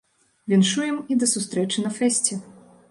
Віншуем, і да сустрэчы на фэсце.